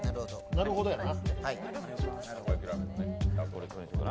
なるほどやな。